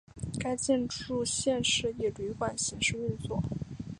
该建筑现时以旅馆形式运作。